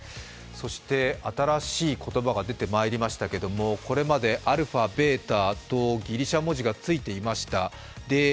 そして新しい言葉が出てまいりましたけれどもこれまでα、βとギリシャ文字がついていました。